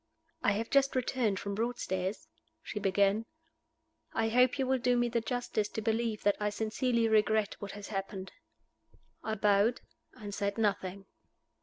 "I have just returned from Broadstairs," she began. "I hope you will do me the justice to believe that I sincerely regret what has happened." I bowed, and said nothing.